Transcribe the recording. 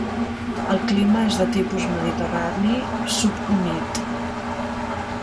El clima és de tipus mediterrani subhumit.